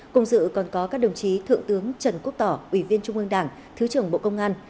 cùng dự còn có các đồng chí thượng tướng trần quốc tỏ ủy viên trung ương đảng thứ trưởng bộ công an